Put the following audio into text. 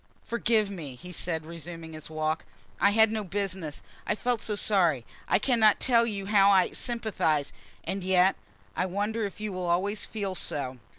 "Forgive me," he said, resuming his walk. "I had no business I felt so sorry I cannot tell you how I sympathize! And yet I wonder if you will always feel so?"